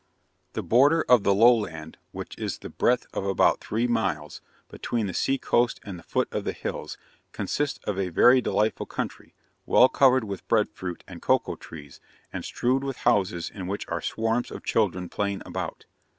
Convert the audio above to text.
The border of low land, which is of the breadth of about three miles, between the sea coast and the foot of the hills, consists of a very delightful country, well covered with bread fruit and cocoa trees, and strewed with houses in which are swarms of children playing about.